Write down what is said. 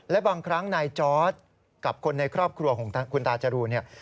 และบางครั้งนายจอร์ดกับคนในครอบครัวของคุณตาจรูนเนี่ย